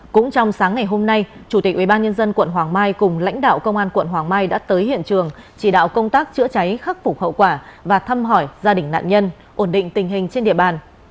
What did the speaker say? cũng trong sáng ngày hôm nay chủ tịch ubnd quận hoàng mai cùng lãnh đạo công an quận hoàng mai đã tới hiện trường chỉ đạo công tác chữa cháy khắc phục hậu quả và thăm hỏi gia đình nạn nhân ổn định tình hình trên địa bàn